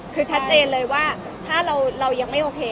คือชัดเจนเลยว่าถ้าเรายังไม่โอเค